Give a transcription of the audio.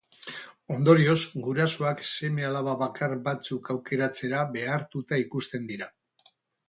Ondorioz, gurasoak seme-alaba bakar batzuk aukeratzera behartuta ikusten dira.